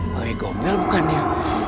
wewe gombel bukannya